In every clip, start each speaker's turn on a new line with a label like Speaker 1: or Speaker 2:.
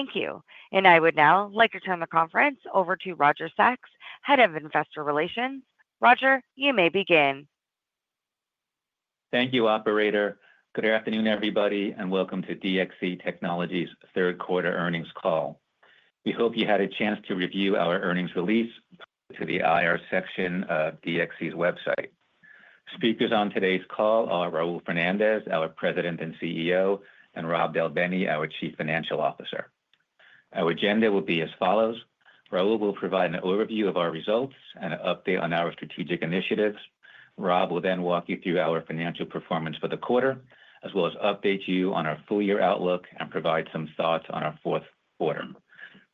Speaker 1: Thank you. And I would now like to turn the conference over to Roger Sachs, Head of Investor Relations. Roger, you may begin.
Speaker 2: Thank you, Operator. Good afternoon, everybody, and welcome to DXC Technology's Q3 Earnings Call. We hope you had a chance to review our earnings release to the IR section of DXC's website. Speakers on today's call are Raul Fernandez, our President and CEO, and Rob Del Bene, our Chief Financial Officer. Our agenda will be as follows: Raul will provide an overview of our results and an update on our strategic initiatives. Rob will then walk you through our financial performance for the quarter, as well as update you on our full year outlook and provide some thoughts on our Q4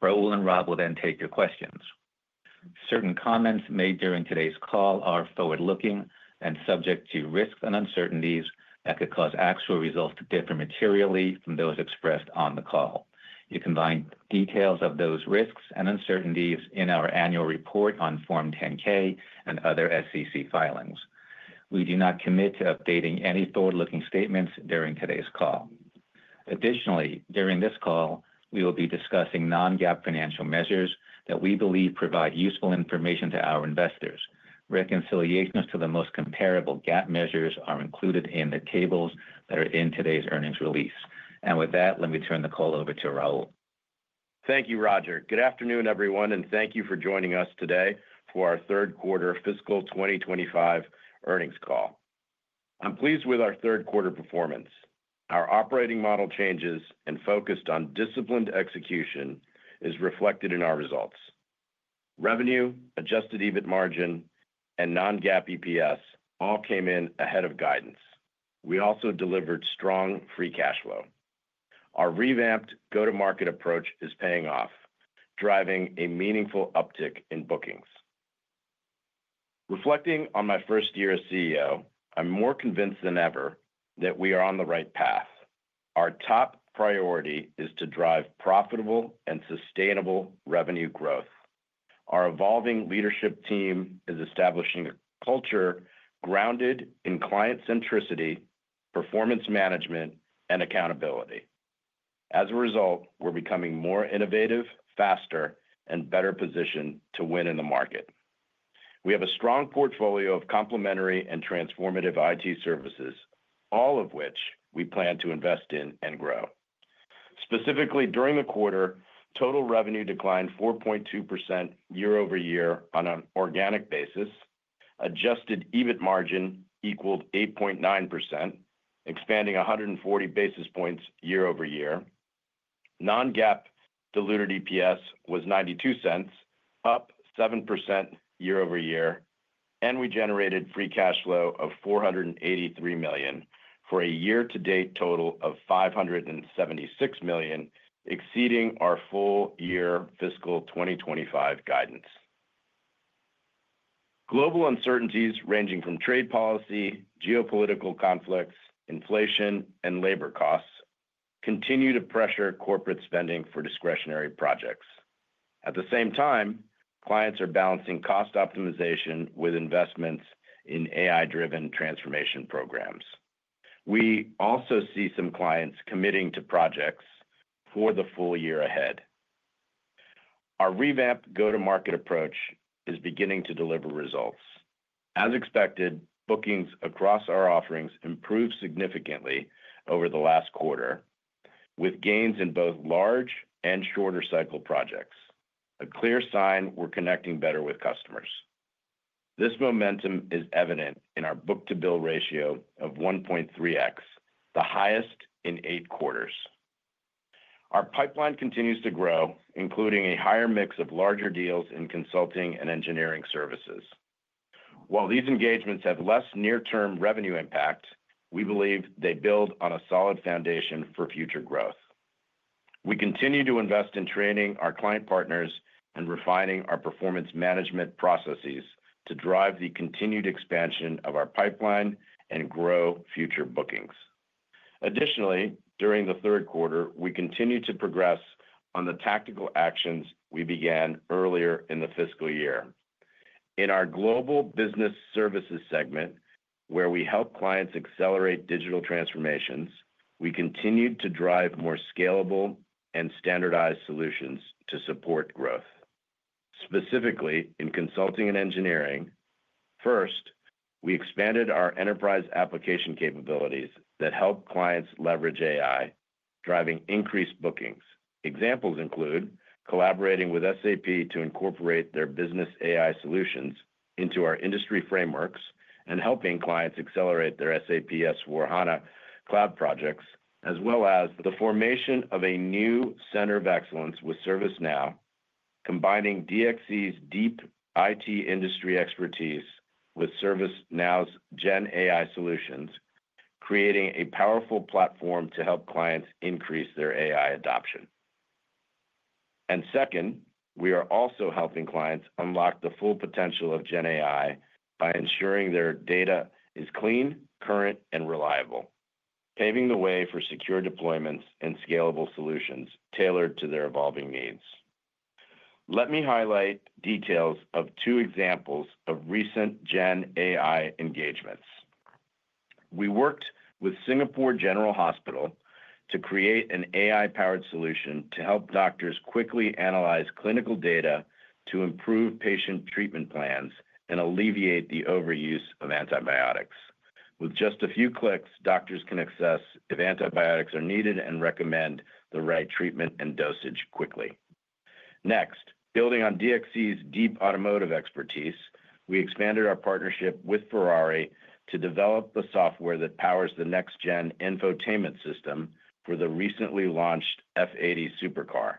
Speaker 2: Raul and Rob will then take your questions. Certain comments made during today's call are forward-looking and subject to risks and uncertainties that could cause actual results to differ materially from those expressed on the call. You can find details of those risks and uncertainties in our annual report on Form 10-K and other SEC filings. We do not commit to updating any forward-looking statements during today's call. Additionally, during this call, we will be discussing non-GAAP financial measures that we believe provide useful information to our investors. Reconciliations to the most comparable GAAP measures are included in the tables that are in today's earnings release, and with that, let me turn the call over to Raul.
Speaker 3: Thank you, Roger. Good afternoon, everyone, and thank you for joining us today for our Q3 fiscal 2025 earnings call. I'm pleased with our Q3 performance. Our operating model changes and focused on disciplined execution is reflected in our results. Revenue, Adjusted EBIT margin, and Non-GAAP EPS all came in ahead of guidance. We also delivered strong Free cash flow. Our revamped go-to-market approach is paying off, driving a meaningful uptick in bookings. Reflecting on my first year as CEO, I'm more convinced than ever that we are on the right path. Our top priority is to drive profitable and sustainable revenue growth. Our evolving leadership team is establishing a culture grounded in client centricity, performance management, and accountability. As a result, we're becoming more innovative, faster, and better positioned to win in the market. We have a strong portfolio of complementary and transformative IT services, all of which we plan to invest in and grow. Specifically, during the quarter, total revenue declined 4.2% year over year on an organic basis, Adjusted EBIT margin equaled 8.9%, expanding 140 basis points year over year. Non-GAAP diluted EPS was $0.92, up 7% year over year, and we generated free cash flow of $483 million for a year-to-date total of $576 million, exceeding our full year fiscal 2025 guidance. Global uncertainties ranging from trade policy, geopolitical conflicts, inflation, and labor costs continue to pressure corporate spending for discretionary projects. At the same time, clients are balancing cost optimization with investments in AI-driven transformation programs. We also see some clients committing to projects for the full year ahead. Our revamped go-to-market approach is beginning to deliver results. As expected, bookings across our offerings improved significantly over the last quarter, with gains in both large and shorter cycle projects, a clear sign we're connecting better with customers. This momentum is evident in our book-to-bill ratio of 1.3x, the highest in eight quarters. Our pipeline continues to grow, including a higher mix of larger deals in Consulting and Engineering Services. While these engagements have less near-term revenue impact, we believe they build on a solid foundation for future growth. We continue to invest in training our client partners and refining our performance management processes to drive the continued expansion of our pipeline and grow future bookings. Additionally, during the Q3, we continue to progress on the tactical actions we began earlier in the fiscal year. In our Global Business Services segment, where we help clients accelerate digital transformations, we continue to drive more scalable and standardized solutions to support growth. Specifically, in Consulting and Engineering, first, we expanded our enterprise application capabilities that help clients leverage AI, driving increased bookings. Examples include collaborating with SAP to incorporate their Business AI solutions into our industry frameworks and helping clients accelerate their SAP S/4HANA cloud projects, as well as the formation of a new center of excellence with ServiceNow, combining DXC's deep IT industry expertise with ServiceNow's GenAI solutions, creating a powerful platform to help clients increase their AI adoption, and second, we are also helping clients unlock the full potential of GenAI by ensuring their data is clean, current, and reliable, paving the way for secure deployments and scalable solutions tailored to their evolving needs. Let me highlight details of two examples of recent GenAI engagements. We worked with Singapore General Hospital to create an AI-powered solution to help doctors quickly analyze clinical data to improve patient treatment plans and alleviate the overuse of antibiotics. With just a few clicks, doctors can access if antibiotics are needed and recommend the right treatment and dosage quickly. Next, building on DXC's deep automotive expertise, we expanded our partnership with Ferrari to develop the software that powers the next-gen infotainment system for the recently launched F80 Supercar.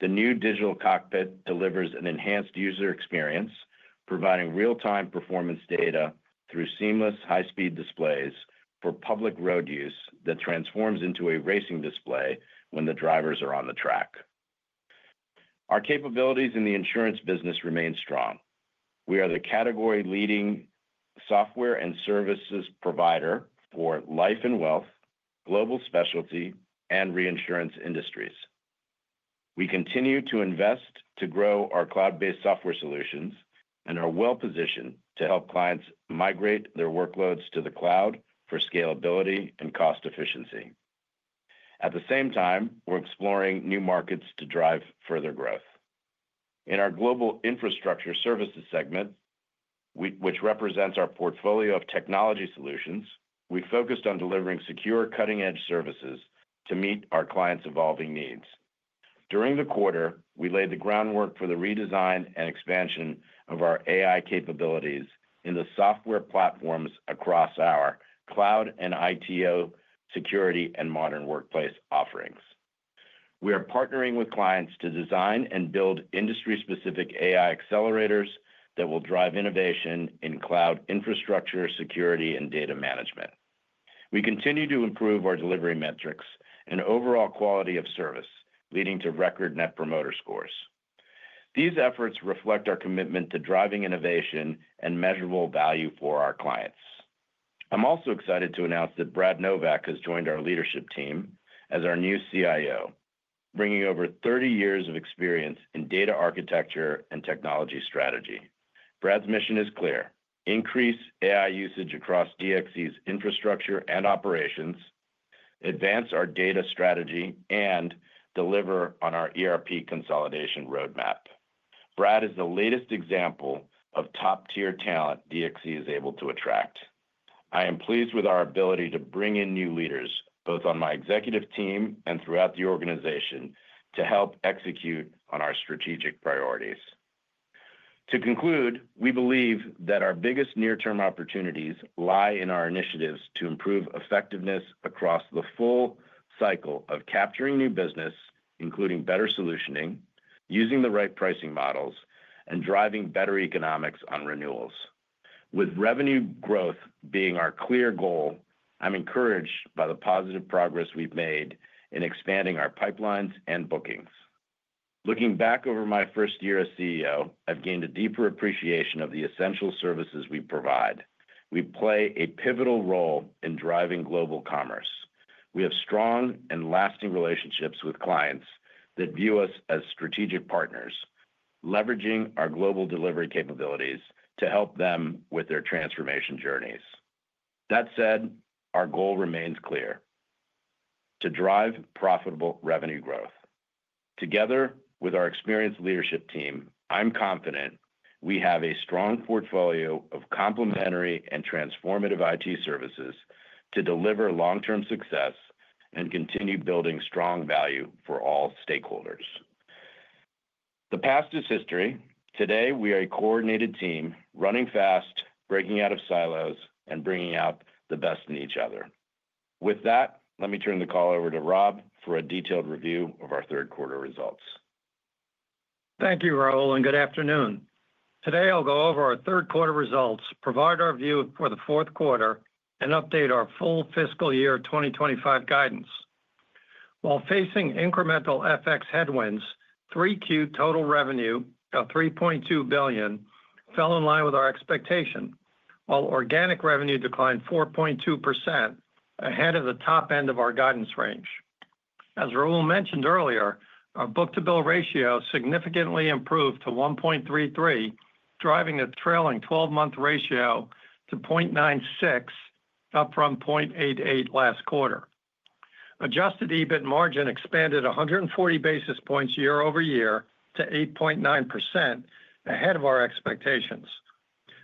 Speaker 3: The new digital cockpit delivers an enhanced user experience, providing real-time performance data through seamless high-speed displays for public road use that transforms into a racing display when the drivers are on the track. Our capabilities in the insurance business remain strong. We are the category-leading software and services provider for life and wealth, global specialty, and reinsurance industries. We continue to invest to grow our cloud-based software solutions and are well-positioned to help clients migrate their workloads to the cloud for scalability and cost efficiency. At the same time, we're exploring new markets to drive further growth. In our global infrastructure services segment, which represents our portfolio of technology solutions, we focused on delivering secure, cutting-edge services to meet our clients' evolving needs. During the quarter, we laid the groundwork for the redesign and expansion of our AI capabilities in the software platforms across our cloud and ITO security and Modern Workplace offerings. We are partnering with clients to design and build industry-specific AI accelerators that will drive innovation in cloud infrastructure, security, and data management. We continue to improve our delivery metrics and overall quality of service, leading to record Net Promoter Scores. These efforts reflect our commitment to driving innovation and measurable value for our clients. I'm also excited to announce that Brad Novak has joined our leadership team as our new CIO, bringing over 30 years of experience in data architecture and technology strategy. Brad's mission is clear: increase AI usage across DXC's infrastructure and operations, advance our data strategy, and deliver on our ERP consolidation roadmap. Brad is the latest example of top-tier talent DXC is able to attract. I am pleased with our ability to bring in new leaders, both on my executive team and throughout the organization, to help execute on our strategic priorities. To conclude, we believe that our biggest near-term opportunities lie in our initiatives to improve effectiveness across the full cycle of capturing new business, including better solutioning, using the right pricing models, and driving better economics on renewals. With revenue growth being our clear goal, I'm encouraged by the positive progress we've made in expanding our pipelines and bookings. Looking back over my first year as CEO, I've gained a deeper appreciation of the essential services we provide. We play a pivotal role in driving global commerce. We have strong and lasting relationships with clients that view us as strategic partners, leveraging our global delivery capabilities to help them with their transformation journeys. That said, our goal remains clear: to drive profitable revenue growth. Together with our experienced leadership team, I'm confident we have a strong portfolio of complementary and transformative IT services to deliver long-term success and continue building strong value for all stakeholders. The past is history. Today, we are a coordinated team running fast, breaking out of silos, and bringing out the best in each other. With that, let me turn the call over to Rob for a detailed review of our Q3 results.
Speaker 4: Thank you, Raul, and good afternoon. Today, I'll go over our Q3 results, provide our view for the Q4, and update our full fiscal year 2025 guidance. While facing incremental FX headwinds, 3Q total revenue of $3.2 billion fell in line with our expectation, while organic revenue declined 4.2% ahead of the top end of our guidance range. As Raul mentioned earlier, our book-to-bill ratio significantly improved to 1.33, driving a trailing 12-month ratio to 0.96, up from 0.88 last quarter. Adjusted EBIT margin expanded 140 basis points year over year to 8.9% ahead of our expectations.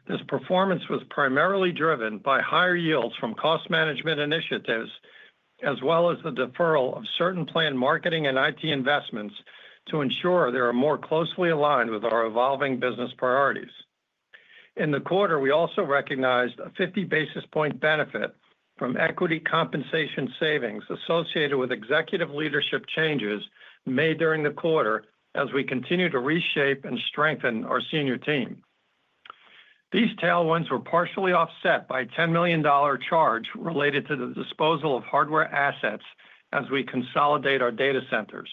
Speaker 4: This performance was primarily driven by higher yields from cost management initiatives, as well as the deferral of certain planned marketing and IT investments to ensure they are more closely aligned with our evolving business priorities. In the quarter, we also recognized a 50 basis point benefit from equity compensation savings associated with executive leadership changes made during the quarter as we continue to reshape and strengthen our senior team. These tailwinds were partially offset by a $10 million charge related to the disposal of hardware assets as we consolidate our data centers.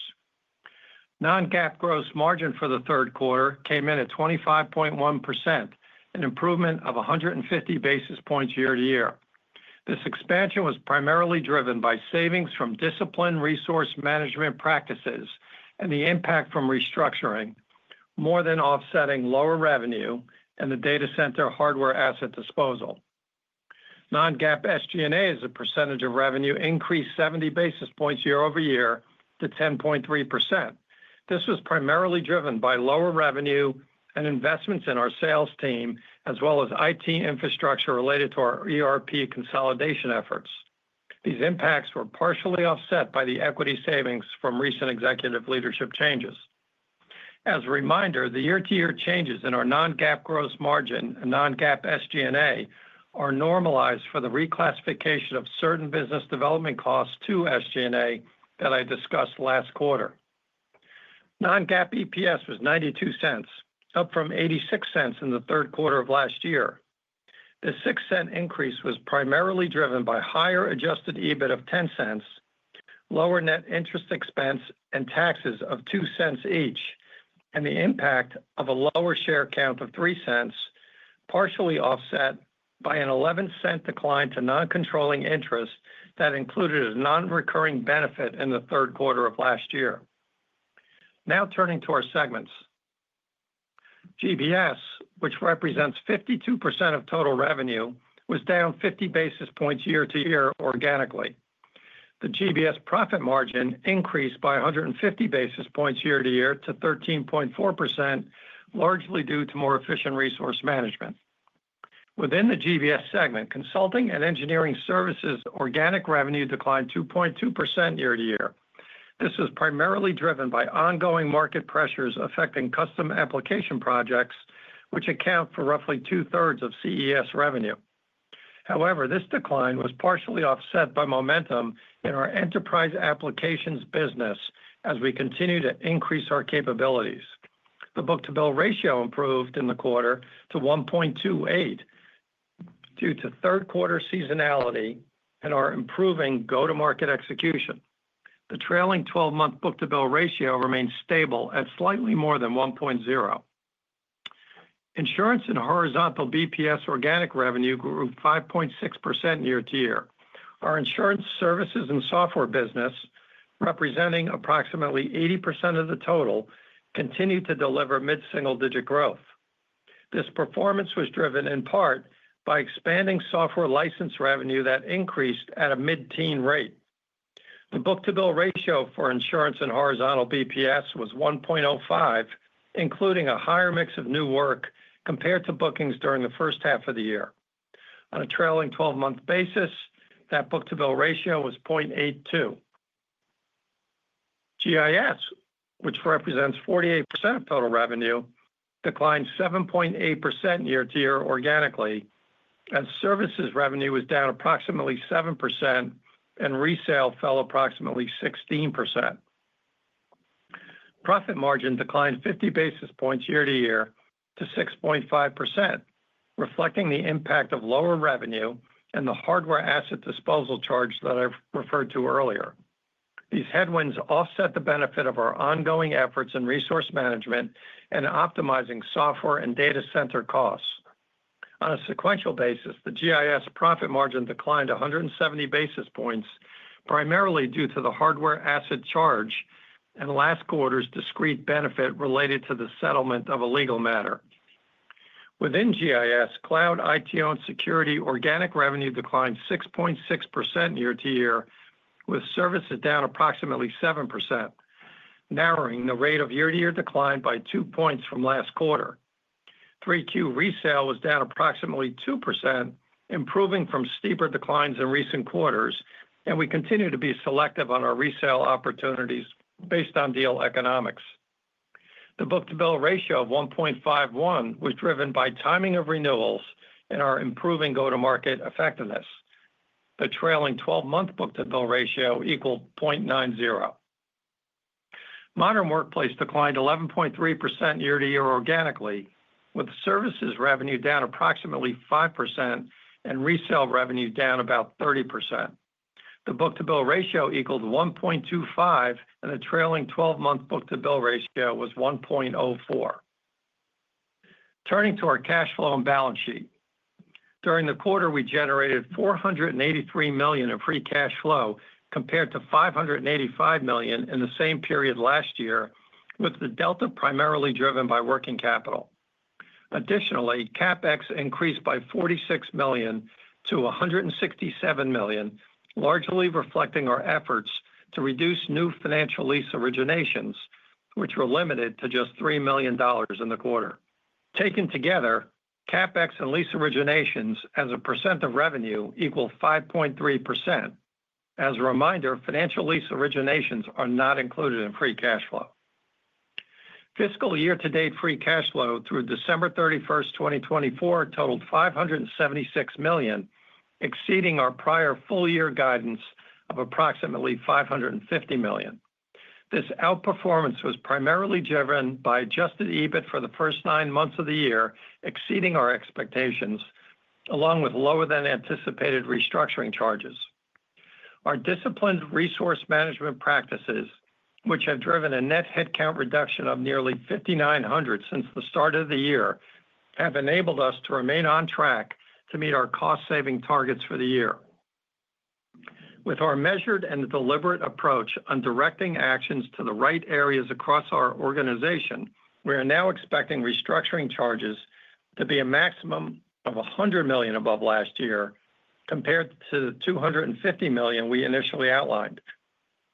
Speaker 4: Non-GAAP gross margin for the Q3 came in at 25.1%, an improvement of 150 basis points year to year. This expansion was primarily driven by savings from disciplined resource management practices and the impact from restructuring, more than offsetting lower revenue and the data center hardware asset disposal. Non-GAAP SG&A as a percentage of revenue increased 70 basis points year over year to 10.3%. This was primarily driven by lower revenue and investments in our sales team, as well as IT infrastructure related to our ERP consolidation efforts. These impacts were partially offset by the equity savings from recent executive leadership changes. As a reminder, the year-to-year changes in our non-GAAP gross margin and non-GAAP SG&A are normalized for the reclassification of certain business development costs to SG&A that I discussed last quarter. Non-GAAP EPS was $0.92, up from $0.86 in the Q3 of last year. The $0.06 increase was primarily driven by higher adjusted EBIT of $0.10, lower net interest expense and taxes of $0.02 each, and the impact of a lower share count of $0.03, partially offset by an $0.11 decline to non-controlling interest that included a non-recurring benefit in the Q3 of last year. Now turning to our segments. GBS, which represents 52% of total revenue, was down 50 basis points year to year organically. The GBS profit margin increased by 150 basis points year to year to 13.4%, largely due to more efficient resource management. Within the GBS segment, consulting and engineering services' organic revenue declined 2.2% year to year. This was primarily driven by ongoing market pressures affecting custom application projects, which account for roughly two-thirds of CES revenue. However, this decline was partially offset by momentum in our enterprise applications business as we continue to increase our capabilities. The book-to-bill ratio improved in the quarter to 1.28 due to Q3 seasonality and our improving go-to-market execution. The trailing 12-month book-to-bill ratio remained stable at slightly more than 1.0. Insurance and horizontal BPS organic revenue grew 5.6% year to year. Our insurance services and software business, representing approximately 80% of the total, continued to deliver mid-single-digit growth. This performance was driven in part by expanding software license revenue that increased at a mid-teen rate. The book-to-bill ratio for Insurance and Horizontal BPS was 1.05, including a higher mix of new work compared to bookings during the first half of the year. On a trailing 12-month basis, that book-to-bill ratio was 0.82. GIS, which represents 48% of total revenue, declined 7.8% year to year organically, as services revenue was down approximately 7% and resale fell approximately 16%. Profit margin declined 50 basis points year to year to 6.5%, reflecting the impact of lower revenue and the hardware asset disposal charge that I referred to earlier. These headwinds offset the benefit of our ongoing efforts in resource management and optimizing software and data center costs. On a sequential basis, the GIS profit margin declined 170 basis points, primarily due to the hardware asset charge and last quarter's discrete benefit related to the settlement of a legal matter. Within GIS, cloud ITO and security organic revenue declined 6.6% year to year, with services down approximately 7%, narrowing the rate of year-to-year decline by two points from last quarter. 3Q resale was down approximately 2%, improving from steeper declines in recent quarters, and we continue to be selective on our resale opportunities based on deal economics. The book-to-bill ratio of 1.51 was driven by timing of renewals and our improving go-to-market effectiveness. The trailing 12-month book-to-bill ratio equaled 0.90. Modern Workplace declined 11.3% year-to-year organically, with services revenue down approximately 5% and resale revenue down about 30%. The book-to-bill ratio equaled 1.25, and the trailing 12-month book-to-bill ratio was 1.04. Turning to our cash flow and balance sheet. During the quarter, we generated $483 million of free cash flow compared to $585 million in the same period last year, with the delta primarily driven by working capital. Additionally, CapEx increased by $46 million to $167 million, largely reflecting our efforts to reduce new financial lease originations, which were limited to just $3 million in the quarter. Taken together, CapEx and lease originations as a % of revenue equal 5.3%. As a reminder, financial lease originations are not included in free cash flow. Fiscal year-to-date free cash flow through December 31, 2024, totaled $576 million, exceeding our prior full-year guidance of approximately $550 million. This outperformance was primarily driven by adjusted EBIT for the first nine months of the year, exceeding our expectations, along with lower-than-anticipated restructuring charges. Our disciplined resource management practices, which have driven a net headcount reduction of nearly 5,900 since the start of the year, have enabled us to remain on track to meet our cost-saving targets for the year. With our measured and deliberate approach on directing actions to the right areas across our organization, we are now expecting restructuring charges to be a maximum of $100 million above last year, compared to the $250 million we initially outlined.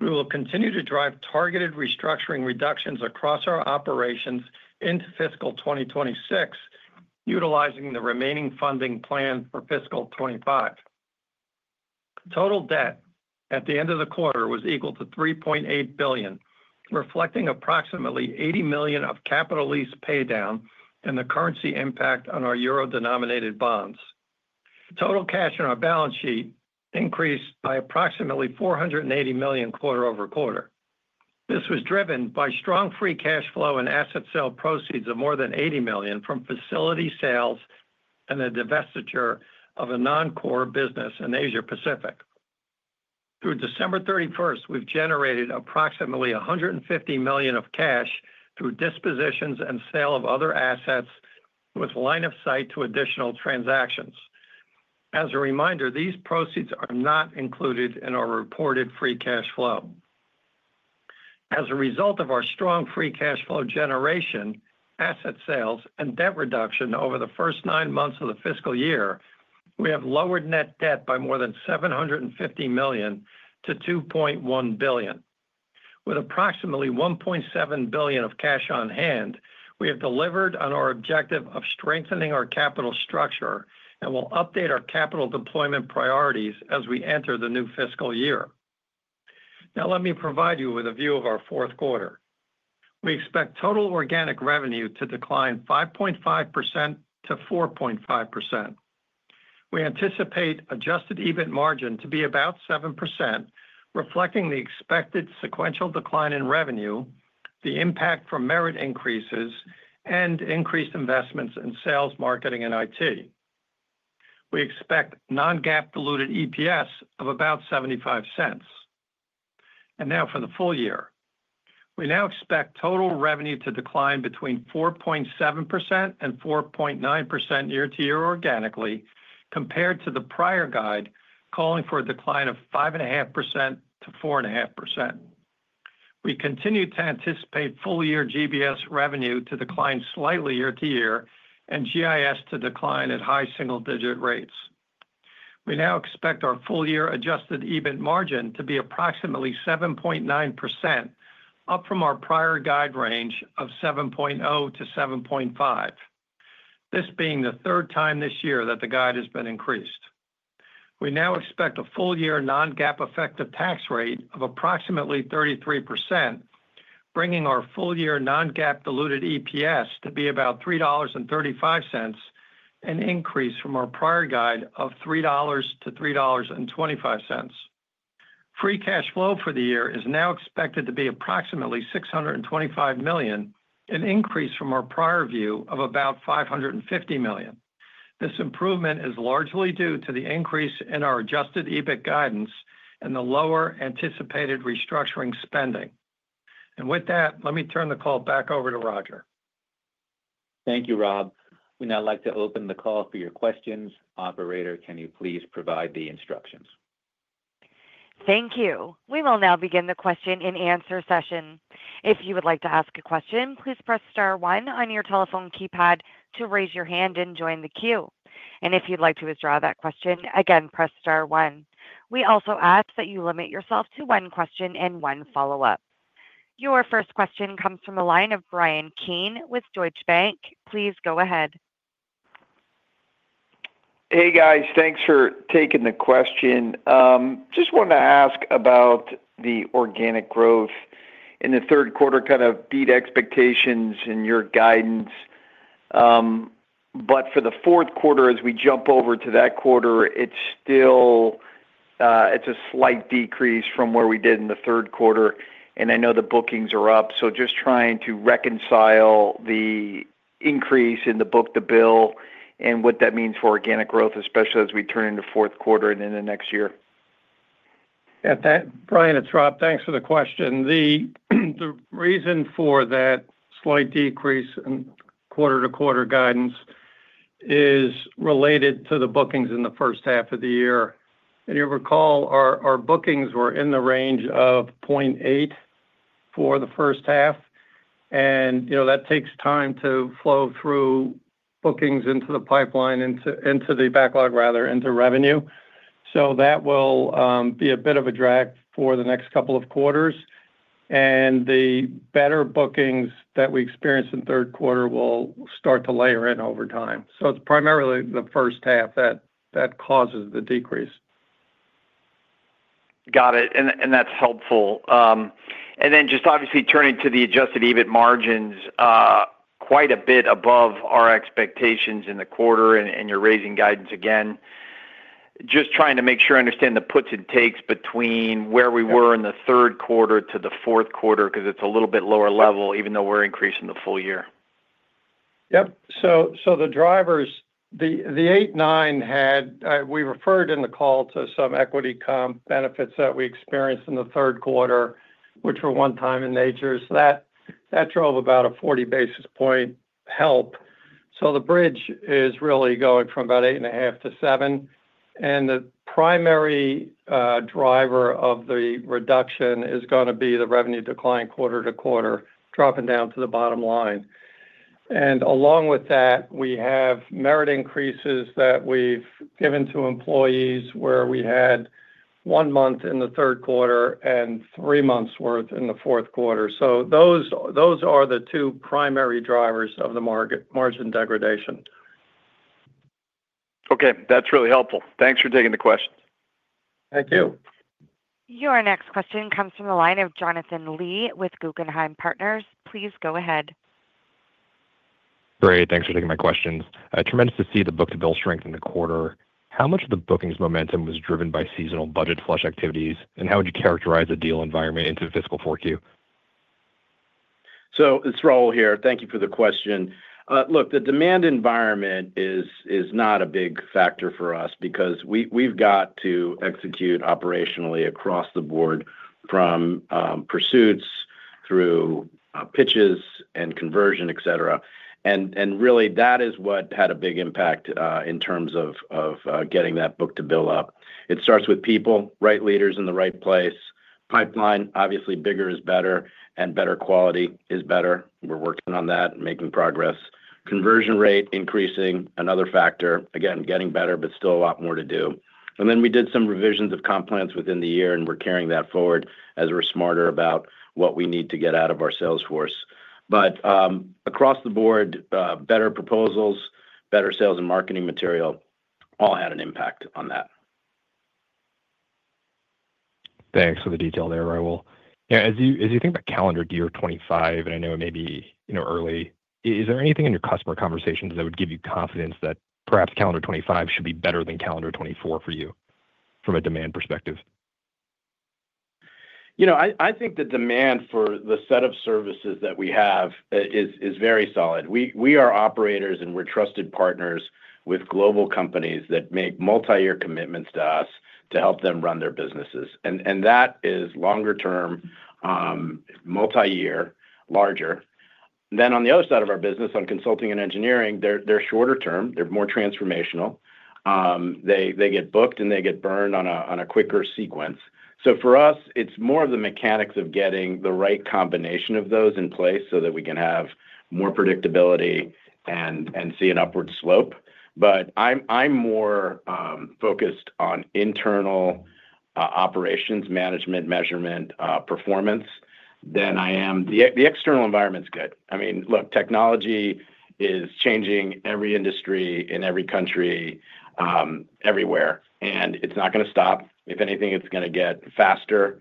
Speaker 4: We will continue to drive targeted restructuring reductions across our operations into fiscal 2026, utilizing the remaining funding planned for fiscal 2025. Total debt at the end of the quarter was equal to $3.8 billion, reflecting approximately $80 million of capital lease paydown and the currency impact on our euro-denominated bonds. Total cash in our balance sheet increased by approximately $480 million quarter-over-quarter. This was driven by strong free cash flow and asset sale proceeds of more than $80 million from facility sales and the divestiture of a non-core business in Asia-Pacific. Through December 31, we've generated approximately $150 million of cash through dispositions and sale of other assets, with line of sight to additional transactions. As a reminder, these proceeds are not included in our reported free cash flow. As a result of our strong free cash flow generation, asset sales, and debt reduction over the first nine months of the fiscal year, we have lowered net debt by more than $750 million to $2.1 billion. With approximately $1.7 billion of cash on hand, we have delivered on our objective of strengthening our capital structure and will update our capital deployment priorities as we enter the new fiscal year. Now, let me provide you with a view of our Q4. We expect total organic revenue to decline 5.5% to 4.5%. We anticipate adjusted EBIT margin to be about 7%, reflecting the expected sequential decline in revenue, the impact from merit increases, and increased investments in sales, marketing, and IT. We expect non-GAAP diluted EPS of about $0.75. And now for the full year. We now expect total revenue to decline between 4.7% and 4.9% year-to-year organically, compared to the prior guide calling for a decline of 5.5% to 4.5%. We continue to anticipate full-year GBS revenue to decline slightly year-to-year and GIS to decline at high single-digit rates. We now expect our full-year adjusted EBIT margin to be approximately 7.9%, up from our prior guide range of 7.0% to 7.5%, this being the third time this year that the guide has been increased. We now expect a full-year non-GAAP effective tax rate of approximately 33%, bringing our full-year non-GAAP diluted EPS to be about $3.35, an increase from our prior guide of $3.00-$3.25. Free cash flow for the year is now expected to be approximately $625 million, an increase from our prior view of about $550 million. This improvement is largely due to the increase in our adjusted EBIT guidance and the lower anticipated restructuring spending. And with that, let me turn the call back over to Roger.
Speaker 2: Thank you, Rob. We would now like to open the call for your questions. Operator, can you please provide the instructions?
Speaker 1: Thank you. We will now begin the question and answer session. If you would like to ask a question, please press star one on your telephone keypad to raise your hand and join the queue. If you'd like to withdraw that question, again, press star one. We also ask that you limit yourself to one question and one follow-up. Your first question comes from the line of Bryan Keane with Deutsche Bank. Please go ahead.
Speaker 5: Hey, guys. Thanks for taking the question. Just wanted to ask about the organic growth in the Q3 kind of beat expectations in your guidance, but for the Q4, as we jump over to that quarter, it's a slight decrease from where we did in the Q3. And I know the bookings are up, so just trying to reconcile the increase in the book-to-bill and what that means for organic growth, especially as we turn into Q4 and into next year.
Speaker 4: Bryan, it's Rob. Thanks for the question. The reason for that slight decrease in quarter-to-quarter guidance is related to the bookings in the first half of the year. And you'll recall our bookings were in the range of 0.8 for the first half. And that takes time to flow through bookings into the pipeline, into the backlog, rather, into revenue. So that will be a bit of a drag for the next couple of quarters. And the better bookings that we experienced in Q3 will start to layer in over time. So it's primarily the first half that causes the decrease.
Speaker 5: Got it. And that's helpful. And then just obviously turning to the Adjusted EBIT margins, quite a bit above our expectations in the quarter, and you're raising guidance again. Just trying to make sure I understand the puts and takes between where we were in the Q3 to the Q4 because it's a little bit lower level, even though we're increasing the full year.
Speaker 4: Yep. So the drivers, the 8.9. We had referred in the call to some equity comp benefits that we experienced in the Q3, which were one-time in nature. So that drove about a 40 basis points help. So the bridge is really going from about eight and a half to seven. And the primary driver of the reduction is going to be the revenue decline quarter to quarter, dropping down to the bottom line. And along with that, we have merit increases that we've given to employees where we had one month in the Q3 and three months' worth in the Q4. So those are the two primary drivers of the margin degradation.
Speaker 5: Okay. That's really helpful. Thanks for taking the questions.
Speaker 4: Thank you.
Speaker 1: Your next question comes from the line of Jonathan Lee with Guggenheim Partners. Please go ahead.
Speaker 6: Great. Thanks for taking my questions. Tremendous to see the book-to-bill strength in the quarter. How much of the bookings momentum was driven by seasonal budget flush activities? And how would you characterize the deal environment into the fiscal Q4?
Speaker 3: So it's Raul here. Thank you for the question. Look, the demand environment is not a big factor for us because we've got to execute operationally across the board from pursuits through pitches and conversion, etc. And really, that is what had a big impact in terms of getting that book-to-bill up. It starts with people, right leaders in the right place. Pipeline, obviously, bigger is better, and better quality is better. We're working on that and making progress. Conversion rate increasing, another factor. Again, getting better, but still a lot more to do, and then we did some revisions of comp plans within the year, and we're carrying that forward as we're smarter about what we need to get out of our sales force, but across the board, better proposals, better sales and marketing material all had an impact on that.
Speaker 6: Thanks for the detail there, Raul. As you think about calendar year 2025, and I know it may be early, is there anything in your customer conversations that would give you confidence that perhaps calendar 2025 should be better than calendar 2024 for you from a demand perspective?
Speaker 3: I think the demand for the set of services that we have is very solid. We are operators, and we're trusted partners with global companies that make multi-year commitments to us to help them run their businesses, and that is longer-term, multi-year, larger, then on the other side of our business, on consulting and engineering, they're shorter-term. They're more transformational. They get booked, and they get burned on a quicker sequence, so for us, it's more of the mechanics of getting the right combination of those in place so that we can have more predictability and see an upward slope, but I'm more focused on internal operations management, measurement, performance than I am. The external environment's good. I mean, look, technology is changing every industry in every country, everywhere, and it's not going to stop. If anything, it's going to get faster.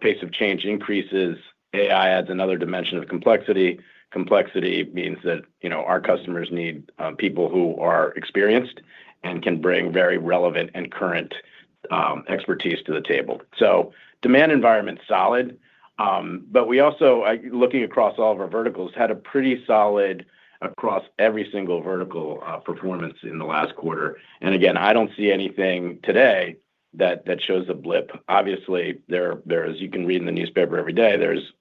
Speaker 3: Pace of change increases. AI adds another dimension of complexity. Complexity means that our customers need people who are experienced and can bring very relevant and current expertise to the table. So demand environment's solid. But we also, looking across all of our verticals, had a pretty solid across every single vertical performance in the last quarter. And again, I don't see anything today that shows a blip. Obviously, as you can read in the newspaper every day, there's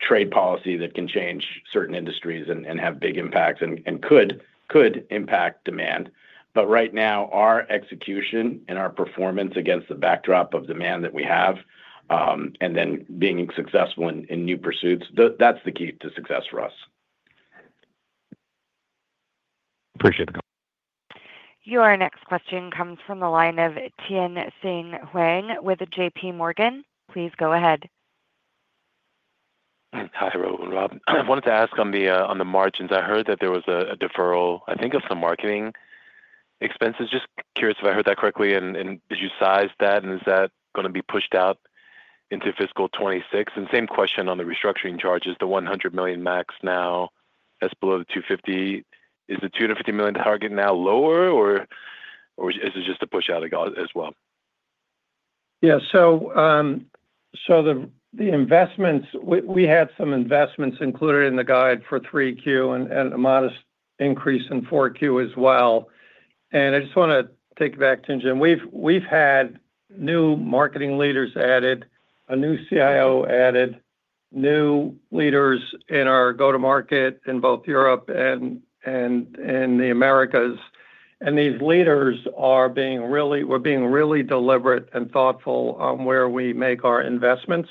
Speaker 3: trade policy that can change certain industries and have big impacts and could impact demand. But right now, our execution and our performance against the backdrop of demand that we have and then being successful in new pursuits, that's the key to success for us.
Speaker 6: Appreciate the comment.
Speaker 1: Your next question comes from the line of Tien-tsin Huang with JPMorgan. Please go ahead.
Speaker 7: Hi, Raul and Rob. I wanted to ask on the margins. I heard that there was a deferral, I think, of some marketing expenses. Just curious if I heard that correctly. And did you size that? And is that going to be pushed out into fiscal 2026? And same question on the restructuring charges, the $100 million max now, that's below the $250. Is the $250 million target now lower, or is it just a push out as well?
Speaker 3: Yeah, so the investments, we had some investments included in the guidance for Q3 and a modest increase in Q4 as well. And I just want to take it back to you, Jim. We've had new marketing leaders added, a new CIO added, new leaders in our go-to-market in both Europe and the Americas. And these leaders are being really, we're being really deliberate and thoughtful on where we make our investments.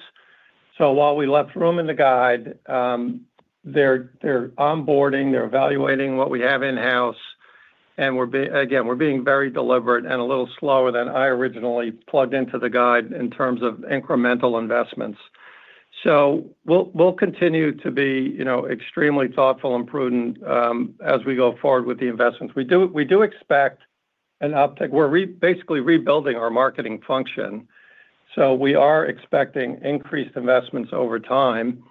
Speaker 3: So while we left room in the guide, they're onboarding, they're evaluating what we have in-house. And again, we're being very deliberate and a little slower than I originally plugged into the guide in terms of incremental investments. So we'll continue to be extremely thoughtful and prudent as we go forward with the investments. We do expect an uptick. We're basically rebuilding our marketing function. So we are expecting increased investments over time.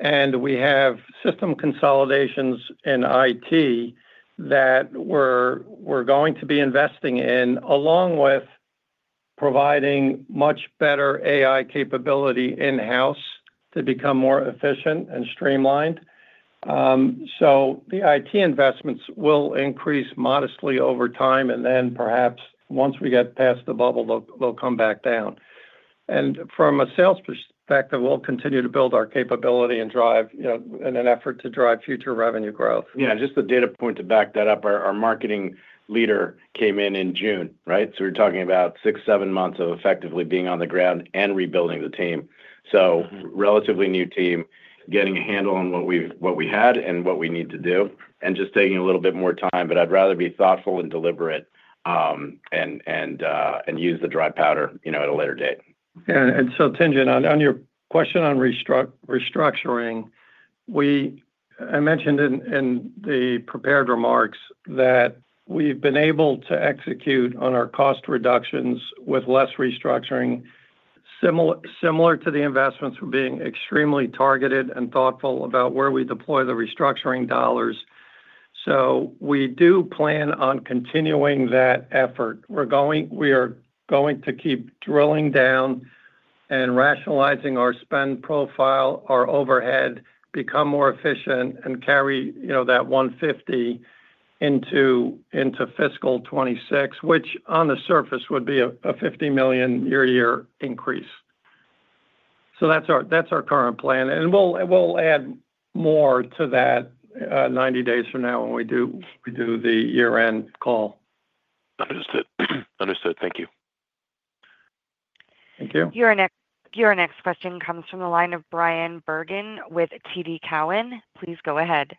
Speaker 3: And we have system consolidations in IT that we're going to be investing in, along with providing much better AI capability in-house to become more efficient and streamlined. So the IT investments will increase modestly over time, and then perhaps once we get past the bubble, they'll come back down. And from a sales perspective, we'll continue to build our capability and drive in an effort to drive future revenue growth. Yeah.
Speaker 4: Just the data point to back that up, our marketing leader came in in June, right? So we're talking about six, seven months of effectively being on the ground and rebuilding the team. So relatively new team, getting a handle on what we had and what we need to do, and just taking a little bit more time. But I'd rather be thoughtful and deliberate and use the dry powder at a later date. Yeah.
Speaker 3: And so, Tien-tsin, on your question on restructuring, I mentioned in the prepared remarks that we've been able to execute on our cost reductions with less restructuring, similar to the investments for being extremely targeted and thoughtful about where we deploy the restructuring dollars. So we do plan on continuing that effort. We are going to keep drilling down and rationalizing our spend profile, our overhead, become more efficient, and carry that 150 into fiscal 2026, which on the surface would be a $50 million year-to-year increase, so that's our current plan, and we'll add more to that 90 days from now when we do the year-end call.
Speaker 7: Understood. Understood. Thank you. Thank you.
Speaker 1: Your next question comes from the line of Bryan Bergin with TD Cowen. Please go ahead.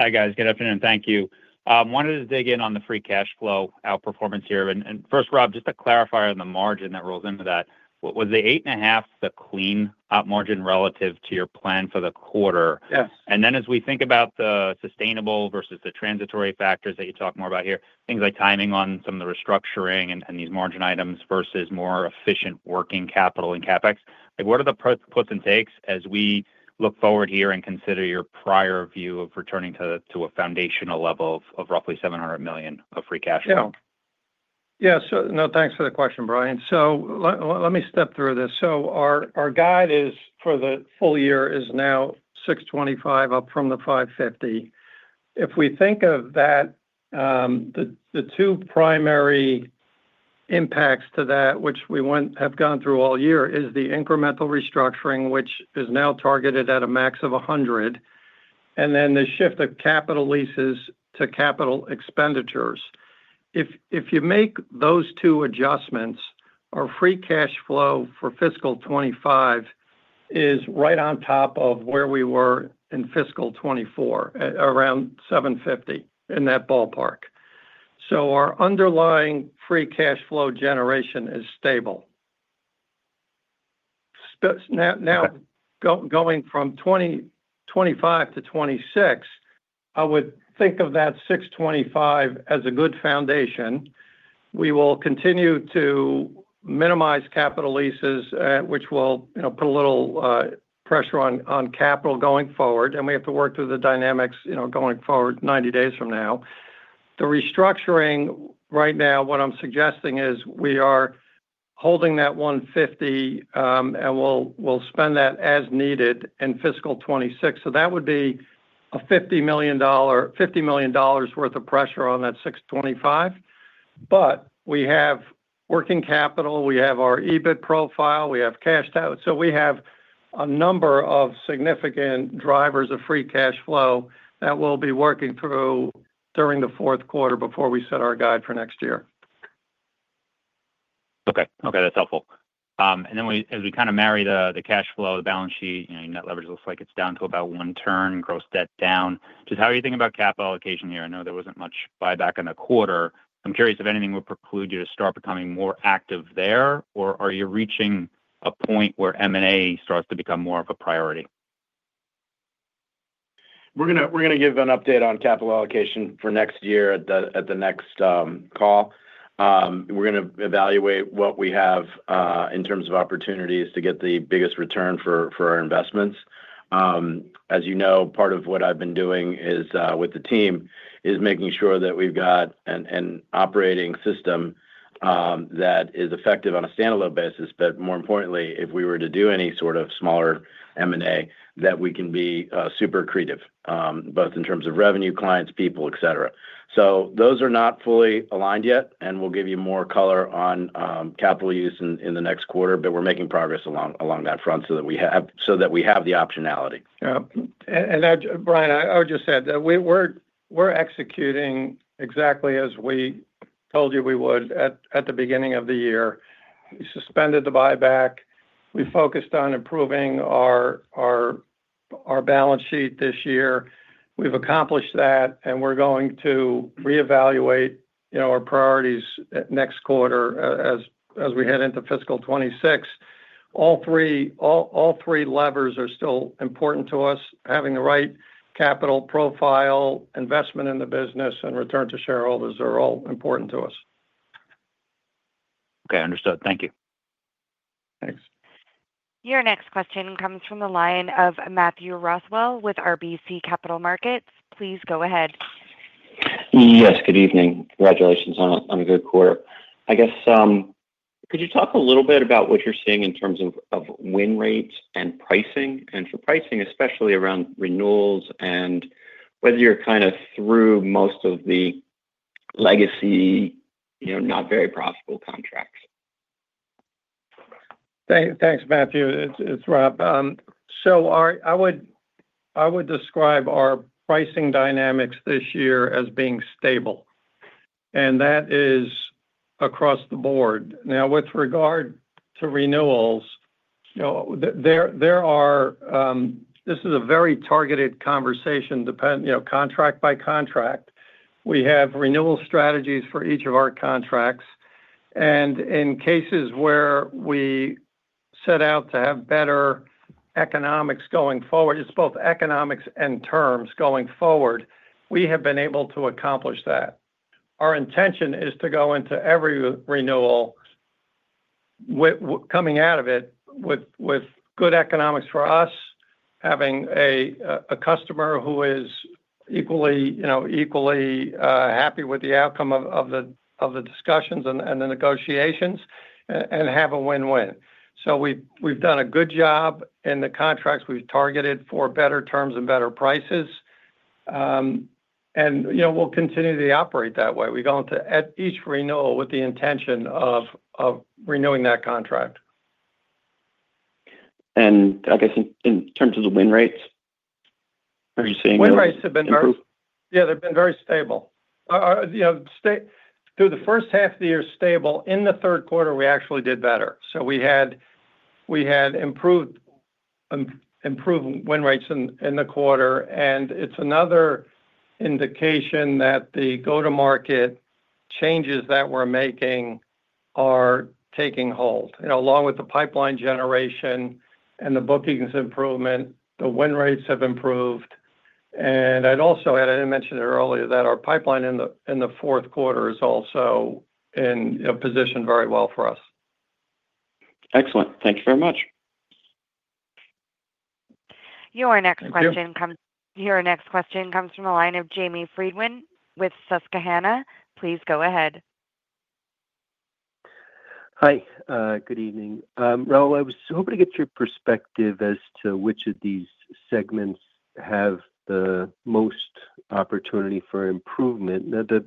Speaker 8: Hi, guys. Good afternoon. Thank you. Wanted to dig in on the free cash flow outperformance here. And first, Rob, just a clarifier on the margin that rolls into that. Was the eight and a half the clean margin relative to your plan for the quarter? Yes. And then as we think about the sustainable versus the transitory factors that you talk more about here, things like timing on some of the restructuring and these margin items versus more efficient working capital and CapEx, what are the puts and takes as we look forward here and consider your prior view of returning to a foundational level of roughly $700 million of free cash flow?
Speaker 3: Yeah. Yeah. So no, thanks for the question, Bryan. So let me step through this. So our guide for the full year is now $625 million up from the $550 million. If we think of that, the two primary impacts to that, which we have gone through all year, is the incremental restructuring, which is now targeted at a max of $100 million, and then the shift of capital leases to capital expenditures. If you make those two adjustments, our free cash flow for fiscal 2025 is right on top of where we were in fiscal 2024, around $750 million in that ballpark. So our underlying free cash flow generation is stable. Now, going from 2025 to 2026, I would think of that $625 million as a good foundation. We will continue to minimize capital leases, which will put a little pressure on capital going forward. And we have to work through the dynamics going forward 90 days from now. The restructuring right now, what I'm suggesting is we are holding that $150 million, and we'll spend that as needed in fiscal 2026. So that would be a $50 million worth of pressure on that $625 million. But we have working capital. We have our EBIT profile. We have cashed out. So we have a number of significant drivers of free cash flow that we'll be working through during the Q4 before we set our guide for next year.
Speaker 8: Okay. Okay. That's helpful. And then as we kind of marry the cash flow, the balance sheet, net leverage looks like it's down to about one turn, gross debt down. Just how are you thinking about capital allocation here? I know there wasn't much buyback in the quarter. I'm curious if anything would preclude you to start becoming more active there, or are you reaching a point where M&A starts to become more of a priority?
Speaker 4: We're going to give an update on capital allocation for next year at the next call. We're going to evaluate what we have in terms of opportunities to get the biggest return for our investments. As you know, part of what I've been doing with the team is making sure that we've got an operating system that is effective on a standalone basis, but more importantly, if we were to do any sort of smaller M&A, that we can be super creative, both in terms of revenue, clients, people, etc. So those are not fully aligned yet, and we'll give you more color on capital use in the next quarter, but we're making progress along that front so that we have the optionality.
Speaker 3: And Bryan, I would just add that we're executing exactly as we told you we would at the beginning of the year. We suspended the buyback. We focused on improving our balance sheet this year. We've accomplished that, and we're going to reevaluate our priorities next quarter as we head into fiscal 2026. All three levers are still important to us. Having the right capital profile, investment in the business, and return to shareholders are all important to us.
Speaker 8: Okay. Understood. Thank you. Thanks.
Speaker 1: Your next question comes from the line of Matthew Roswell with RBC Capital Markets. Please go ahead.
Speaker 9: Yes. Good evening. Congratulations on a good quarter. I guess, could you talk a little bit about what you're seeing in terms of win rates and pricing? And for pricing, especially around renewals and whether you're kind of through most of the legacy, not very profitable contracts?
Speaker 4: Thanks, Matthew. It's Rob. So I would describe our pricing dynamics this year as being stable. And that is across the board. Now, with regard to renewals, this is a very targeted conversation, contract by contract. We have renewal strategies for each of our contracts. And in cases where we set out to have better economics going forward, it's both economics and terms going forward, we have been able to accomplish that. Our intention is to go into every renewal coming out of it with good economics for us, having a customer who is equally happy with the outcome of the discussions and the negotiations, and have a win-win. So we've done a good job in the contracts. We've targeted for better terms and better prices. And we'll continue to operate that way. We're going to, at each renewal, with the intention of renewing that contract.
Speaker 9: And I guess in terms of the win rates, are you seeing?
Speaker 4: Win rates have been very, yeah, they've been very stable. Through the first half of the year, stable. In the Q3, we actually did better. So we had improved win rates in the quarter. And it's another indication that the go-to-market changes that we're making are taking hold. Along with the pipeline generation and the bookings improvement, the win rates have improved. And I'd also add, I didn't mention it earlier, that our pipeline in the Q4 is also in a position very well for us.
Speaker 9: Excellent. Thank you very much.
Speaker 1: Your next question comes, your next question comes from the line of Jamie Friedman with Susquehanna. Please go ahead.
Speaker 10: Hi. Good evening. Raul, I was hoping to get your perspective as to which of these segments have the most opportunity for improvement. Now, the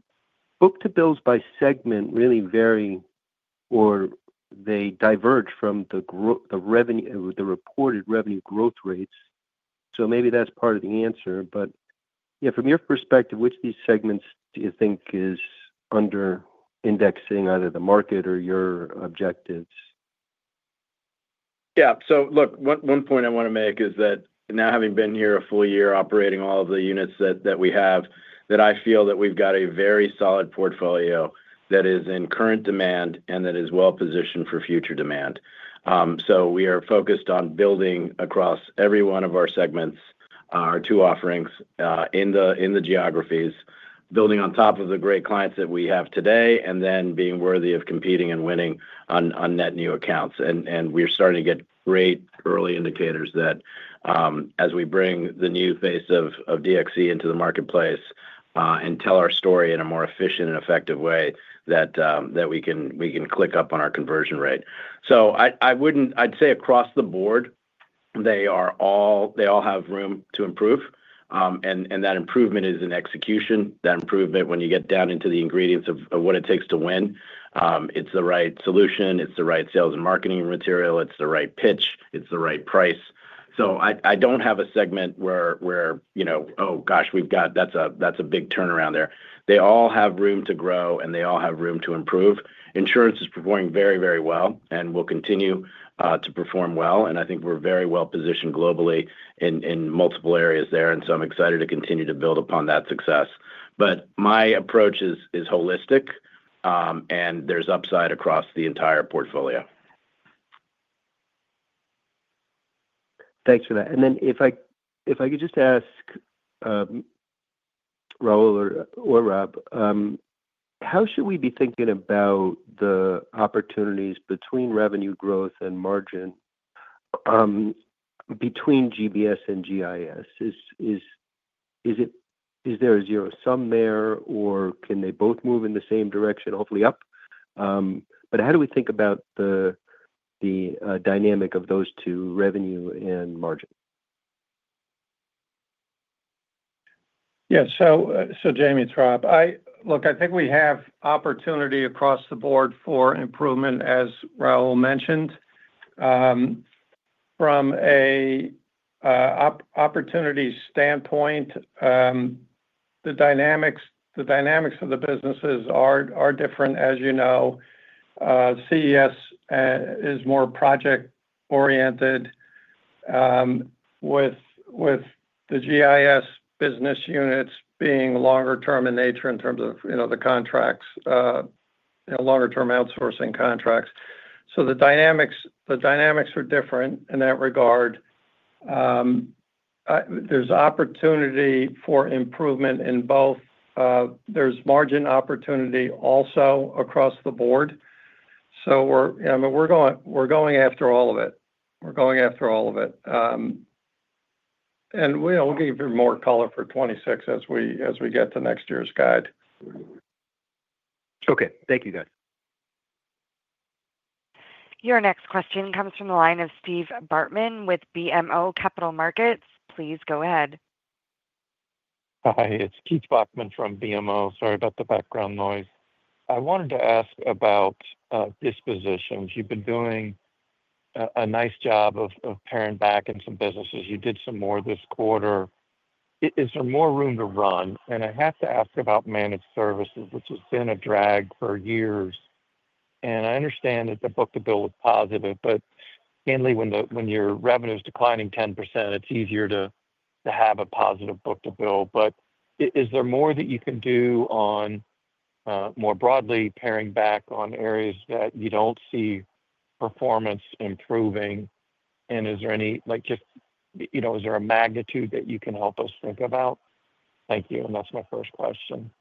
Speaker 10: book-to-bills by segment really vary, or they diverge from the reported revenue growth rates. So maybe that's part of the answer. But yeah, from your perspective, which of these segments do you think is under indexing either the market or your objectives?
Speaker 3: Yeah. So look, one point I want to make is that, now having been here a full year operating all of the units that we have, that I feel that we've got a very solid portfolio that is in current demand and that is well-positioned for future demand. So we are focused on building across every one of our segments, our two offerings in the geographies, building on top of the great clients that we have today, and then being worthy of competing and winning on net new accounts. And we're starting to get great early indicators that as we bring the new face of DXC into the marketplace and tell our story in a more efficient and effective way, that we can click up on our conversion rate. So I'd say across the board, they all have room to improve. And that improvement is in execution. That improvement, when you get down into the ingredients of what it takes to win, it's the right solution. It's the right sales and marketing material. It's the right pitch. It's the right price. So I don't have a segment where, "Oh gosh, we've got. That's a big turnaround there." They all have room to grow, and they all have room to improve. Insurance is performing very, very well and will continue to perform well. And I think we're very well-positioned globally in multiple areas there. And so I'm excited to continue to build upon that success. But my approach is holistic, and there's upside across the entire portfolio.
Speaker 10: Thanks for that. And then if I could just ask Raul or Rob, how should we be thinking about the opportunities between revenue growth and margin between GBS and GIS? Is there a zero-sum there, or can they both move in the same direction, hopefully up? But how do we think about the dynamic of those two, revenue and margin?
Speaker 4: Yeah. So Jamie, it's Rob. Look, I think we have opportunity across the board for improvement, as Raul mentioned. From an opportunity standpoint, the dynamics of the businesses are different, as you know. CES is more project-oriented, with the GIS business units being longer-term in nature in terms of the contracts, longer-term outsourcing contracts. So the dynamics are different in that regard. There's opportunity for improvement in both. There's margin opportunity also across the board. So we're going after all of it. We're going after all of it. And we'll give you more color for 2026 as we get to next year's guide.
Speaker 10: Okay. Thank you, guys.
Speaker 1: Your next question comes from the line of Keith Bachman with BMO Capital Markets. Please go ahead.
Speaker 11: Hi. It's Keith Bachman from BMO. Sorry about the background noise. I wanted to ask about dispositions. You've been doing a nice job of paring back in some businesses. You did some more this quarter. Is there more room to run? And I have to ask about managed services, which has been a drag for years. And I understand that the book-to-bill was positive, but mainly when your revenue is declining 10%, it's easier to have a positive book-to-bill. But is there more that you can do on, more broadly, paring back on areas that you don't see performance improving? And is there any—just is there a magnitude that you can help us think about? Thank you. And that's my first question.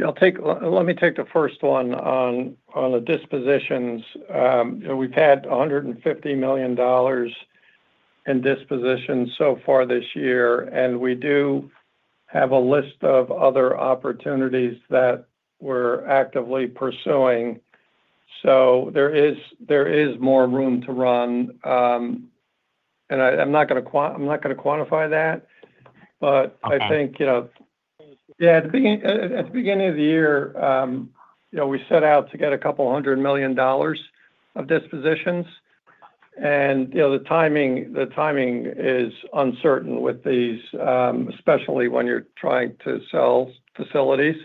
Speaker 3: Let me take the first one on the dispositions. We've had $150 million in dispositions so far this year, and we do have a list of other opportunities that we're actively pursuing. So there is more room to run. I'm not going to quantify that, but I think, yeah, at the beginning of the year, we set out to get $200 million of dispositions. The timing is uncertain with these, especially when you're trying to sell facilities,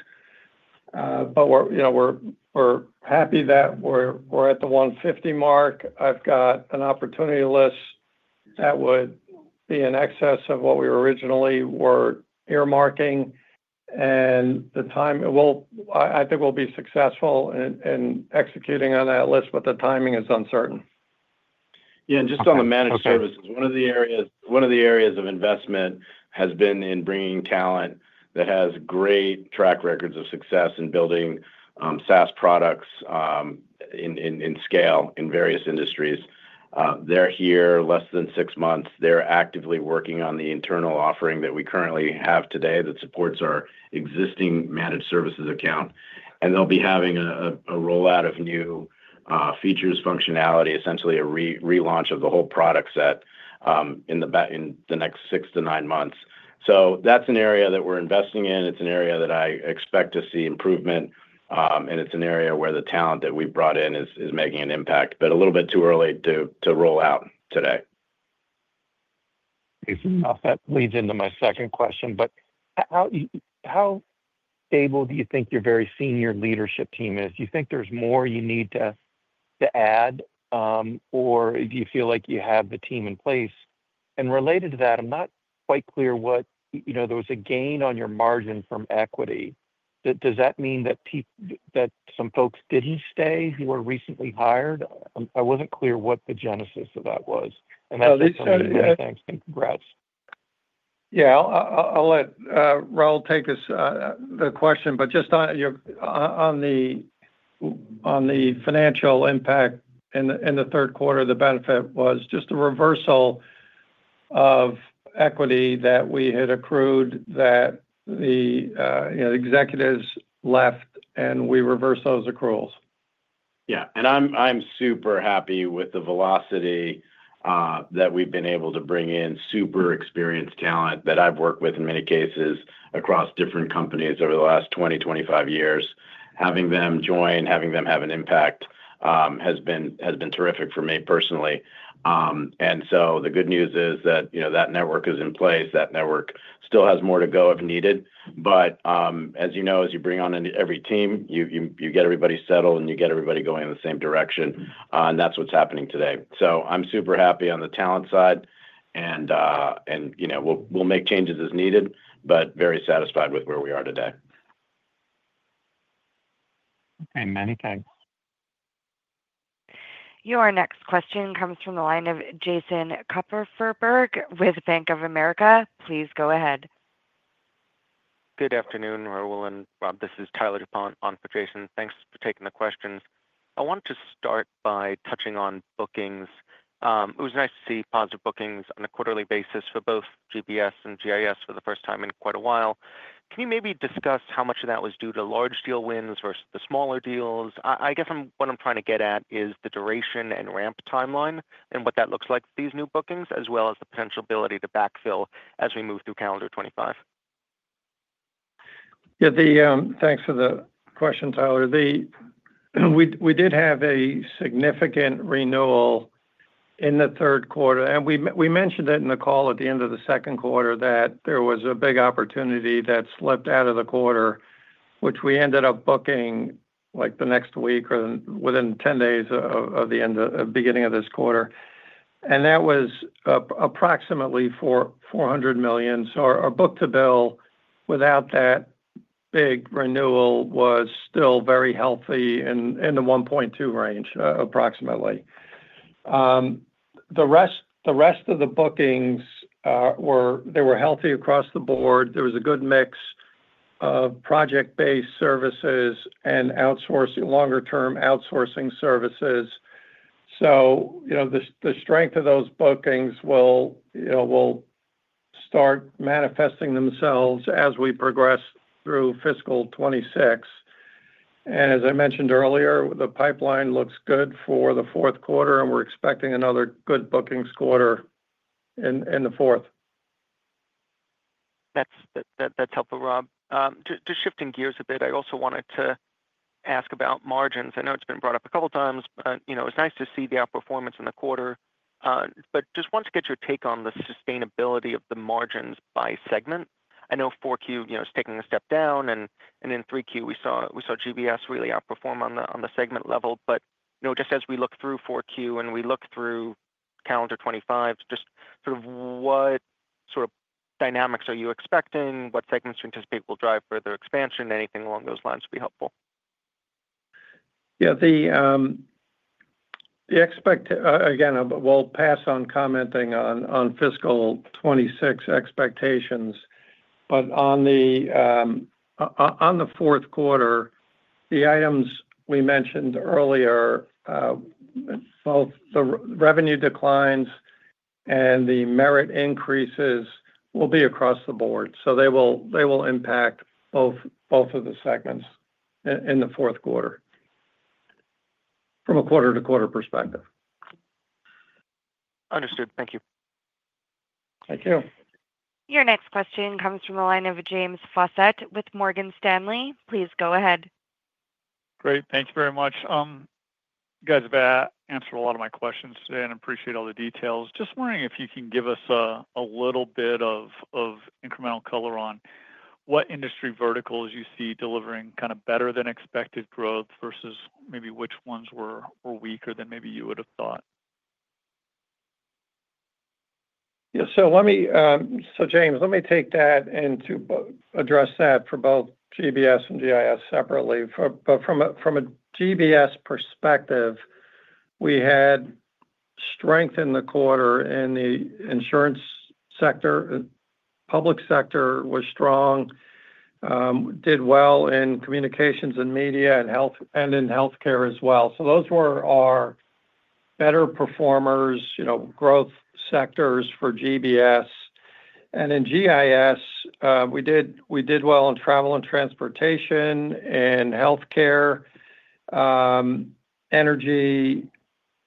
Speaker 3: but we're happy that we're at the 150 mark. I've got an opportunity list that would be in excess of what we originally were earmarking, and I think we'll be successful in executing on that list, but the timing is uncertain. Yeah.
Speaker 4: Just on the managed services, one of the areas of investment has been in bringing talent that has great track records of success in building SaaS products in scale in various industries. They're here less than six months. They're actively working on the internal offering that we currently have today that supports our existing managed services account. And they'll be having a rollout of new features, functionality, essentially a relaunch of the whole product set in the next six to nine months. So that's an area that we're investing in. It's an area that I expect to see improvement. And it's an area where the talent that we've brought in is making an impact, but a little bit too early to roll out today.
Speaker 11: Leads into my second question, but how stable do you think your very senior leadership team is? Do you think there's more you need to add, or do you feel like you have the team in place? And related to that, I'm not quite clear what there was a gain on your margin from equity. Does that mean that some folks didn't stay who were recently hired? I wasn't clear what the genesis of that was. And that's interesting. Thanks. And congrats.
Speaker 4: Yeah. I'll let Raul take us the question. But just on the financial impact in the Q3, the benefit was just a reversal of equity that we had accrued that the executives left, and we reversed those accruals.
Speaker 3: Yeah. And I'm super happy with the velocity that we've been able to bring in super experienced talent that I've worked with in many cases across different companies over the last 20-25 years. Having them join, having them have an impact has been terrific for me personally. And so the good news is that that network is in place. That network still has more to go if needed. But as you know, as you bring on every team, you get everybody settled, and you get everybody going in the same direction. And that's what's happening today. So I'm super happy on the talent side. And we'll make changes as needed, but very satisfied with where we are today.
Speaker 11: Okay. Many thanks.
Speaker 1: Your next question comes from the line of Jason Kupferberg with Bank of America. Please go ahead.
Speaker 12: Good afternoon, Raul and Rob. This is Tyler DuPont on for Jason. Thanks for taking the questions. I want to start by touching on bookings. It was nice to see positive bookings on a quarterly basis for both GBS and GIS for the first time in quite a while. Can you maybe discuss how much of that was due to large deal wins versus the smaller deals? I guess what I'm trying to get at is the duration and ramp timeline and what that looks like for these new bookings, as well as the potential ability to backfill as we move through calendar 2025.
Speaker 4: Yeah. Thanks for the question, Tyler. We did have a significant renewal in the Q3. And we mentioned it in the call at the end of the Q2 that there was a big opportunity that slipped out of the quarter, which we ended up booking the next week or within 10 days of the beginning of this quarter. And that was approximately $400 million. So our book-to-bill without that big renewal was still very healthy in the 1.2 range, approximately. The rest of the bookings, they were healthy across the board. There was a good mix of project-based services and longer-term outsourcing services. So the strength of those bookings will start manifesting themselves as we progress through fiscal 2026. And as I mentioned earlier, the pipeline looks good for the Q4, and we're expecting another good bookings quarter in the fourth.
Speaker 12: That's helpful, Rob. Just shifting gears a bit, I also wanted to ask about margins. I know it's been brought up a couple of times, but it's nice to see the outperformance in the quarter. But just want to get your take on the sustainability of the margins by segment. I know 4Q is taking a step down, and in 3Q, we saw GBS really outperform on the segment level. But just as we look through 4Q and we look through calendar 2025, just sort of what sort of dynamics are you expecting? What segments do you anticipate will drive further expansion? Anything along those lines would be helpful.
Speaker 4: Yeah. Again, we'll pass on commenting on fiscal 2026 expectations. But on the Q4, the items we mentioned earlier, both the revenue declines and the merit increases, will be across the board. So they will impact both of the segments in the Q4 from a quarter-to-quarter perspective.
Speaker 12: Understood. Thank you.
Speaker 4: Thank you.
Speaker 1: Your next question comes from the line of James Faucette with Morgan Stanley. Please go ahead.
Speaker 13: Great. Thank you very much. You guys have answered a lot of my questions today, and I appreciate all the details. Just wondering if you can give us a little bit of incremental color on what industry verticals you see delivering kind of better than expected growth versus maybe which ones were weaker than maybe you would have thought. Yeah.
Speaker 4: So James, let me take that and address that for both GBS and GIS separately. But from a GBS perspective, we had strength in the quarter in the insurance sector. Public sector was strong. Did well in communications and media and in healthcare as well. So those were our better performers growth sectors for GBS. And in GIS, we did well in travel and transportation and healthcare, energy.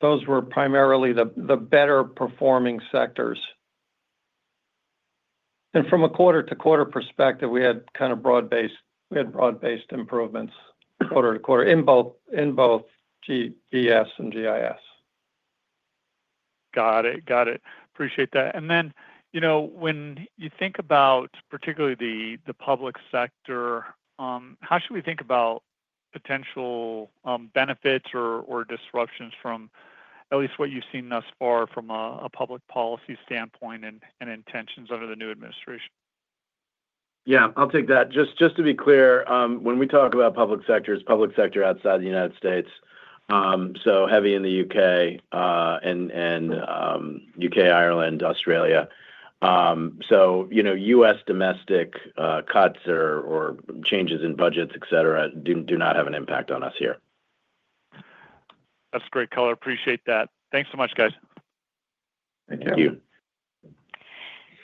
Speaker 4: Those were primarily the better performing sectors. And from a quarter-to-quarter perspective, we had kind of broad-based improvements quarter-to-quarter in both GBS and GIS.
Speaker 13: Got it. Got it. Appreciate that. And then when you think about particularly the public sector, how should we think about potential benefits or disruptions from at least what you've seen thus far from a public policy standpoint and intentions under the new administration?
Speaker 3: Yeah. I'll take that. Just to be clear, when we talk about public sector, it's public sector outside the United States. So heavy in the U.K., Ireland, Australia. So U.S. domestic cuts or changes in budgets, etc., do not have an impact on us here.
Speaker 13: That's great color. Appreciate that. Thanks so much, guys.
Speaker 4: Thank you.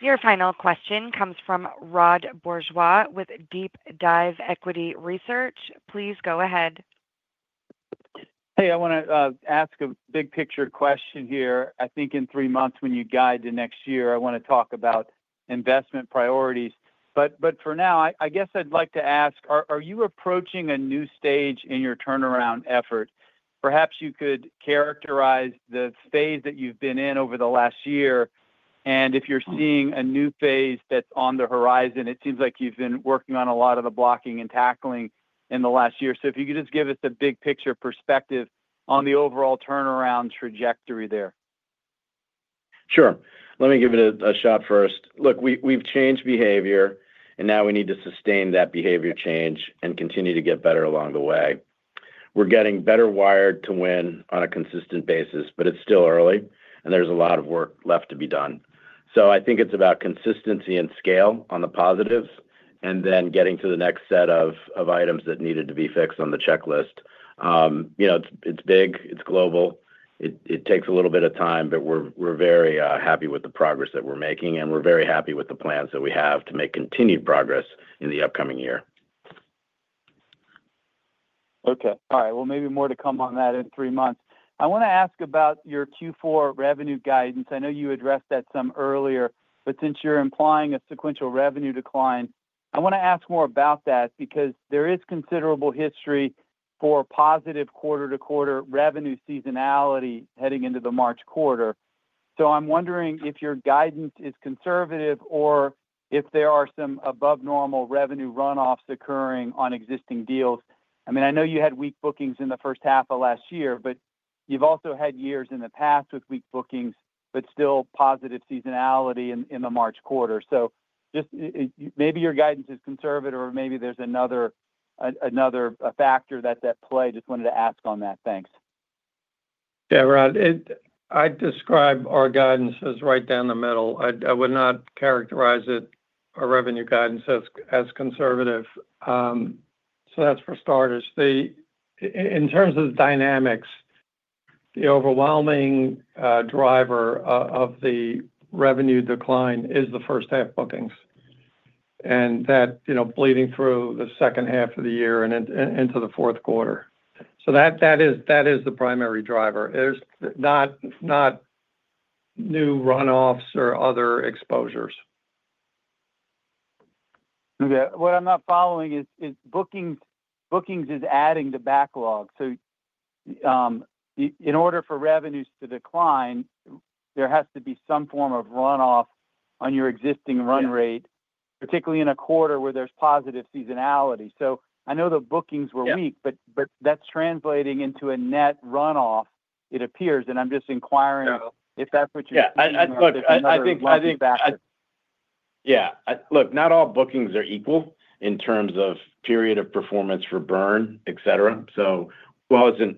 Speaker 4: Your final question comes from Rod Bourgeois with DeepDive Equity Research. Please go ahead.
Speaker 14: Hey, I want to ask a big-picture question here. I think in three months when you guide to next year, I want to talk about investment priorities. But for now, I guess I'd like to ask, are you approaching a new stage in your turnaround effort? Perhaps you could characterize the phase that you've been in over the last year. And if you're seeing a new phase that's on the horizon, it seems like you've been working on a lot of the blocking and tackling in the last year. So if you could just give us a big-picture perspective on the overall turnaround trajectory there.
Speaker 3: Sure. Let me give it a shot first. Look, we've changed behavior, and now we need to sustain that behavior change and continue to get better along the way. We're getting better wired to win on a consistent basis, but it's still early, and there's a lot of work left to be done. So I think it's about consistency and scale on the positives and then getting to the next set of items that needed to be fixed on the checklist. It's big. It's global. It takes a little bit of time, but we're very happy with the progress that we're making. And we're very happy with the plans that we have to make continued progress in the upcoming year.
Speaker 14: Okay. All right. Well, maybe more to come on that in three months. I want to ask about your Q4 revenue guidance. I know you addressed that some earlier, but since you're implying a sequential revenue decline, I want to ask more about that because there is considerable history for positive quarter-to-quarter revenue seasonality heading into the March quarter. So I'm wondering if your guidance is conservative or if there are some above-normal revenue runoffs occurring on existing deals. I mean, I know you had weak bookings in the first half of last year, but you've also had years in the past with weak bookings, but still positive seasonality in the March quarter. So maybe your guidance is conservative, or maybe there's another factor that's at play. Just wanted to ask on that. Thanks.
Speaker 4: Yeah, Rod. I'd describe our guidance as right down the middle. I would not characterize our revenue guidance as conservative. So that's for starters. In terms of the dynamics, the overwhelming driver of the revenue decline is the first-half bookings. And that bleeding through the second half of the year and into the Q4. So that is the primary driver. There's not new runoffs or other exposures.
Speaker 3: What I'm not following is bookings is adding to backlog. So in order for revenues to decline, there has to be some form of runoff on your existing run rate, particularly in a quarter where there's positive seasonality. So I know the bookings were weak, but that's translating into a net runoff, it appears. And I'm just inquiring if that's what you're saying?
Speaker 4: Yeah. Look, not all bookings are equal in terms of period of performance for burn, etc. So what's an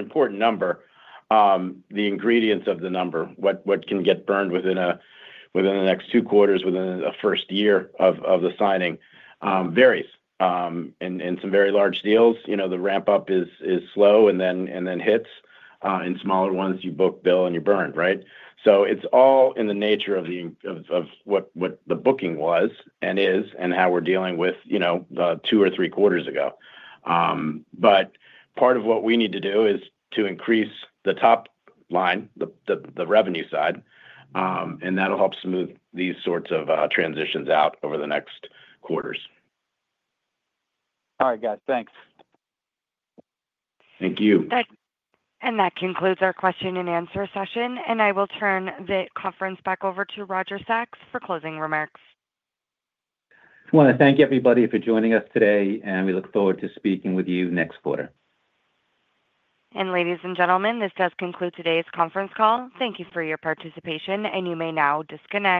Speaker 4: important number, the ingredients of the number, what can get burned within the next Q2, within the first year of the signing, varies. In some very large deals, the ramp-up is slow and then hits. In smaller ones, you book bill and you burn, right? So it's all in the nature of what the booking was and is and how we're dealing with two or Q3 ago. But part of what we need to do is to increase the top line, the revenue side, and that'll help smooth these sorts of transitions out over the next quarters.
Speaker 14: All right, guys. Thanks.
Speaker 4: Thank you.
Speaker 1: And that concludes our question-and-answer session. And I will turn the conference back over to Roger Sachs for closing remarks.
Speaker 2: I want to thank everybody for joining us today, and we look forward to speaking with you next quarter.
Speaker 1: And ladies and gentlemen, this does conclude today's conference call. Thank you for your participation, and you may now disconnect.